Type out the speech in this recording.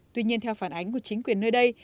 tuy nhiên theo phản ánh của chính quyền nơi đây